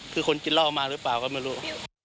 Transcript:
คือคนกินเหล้ามาหรือเปล่าก็ไม่รู้